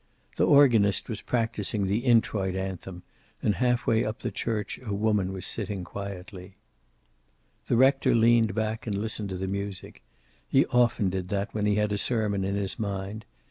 The organist was practicing the Introit anthem, and half way up the church a woman was sitting quietly. The rector leaned back, and listened to the music. He often did that when he had a sermon in his mind.